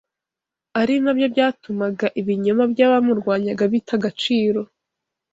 ari na byo byatumaga ibinyoma by’abamurwanyaga bita agaciro